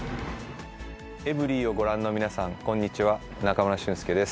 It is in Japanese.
エブリィをご覧の皆さん、こんにちは。